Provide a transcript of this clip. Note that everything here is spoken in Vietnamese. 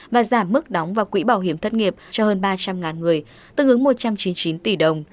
và giảm mức đóng vào quỹ bảo hiểm thất nghiệp cho hơn ba trăm linh người tương ứng một trăm chín mươi chín tỷ đồng